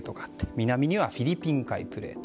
南にはフィリピン海プレート